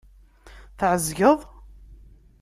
Tεezgeḍ?